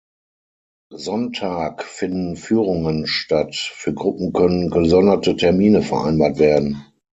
Sonntag finden Führungen statt, für Gruppen können gesonderte Termine vereinbart werden.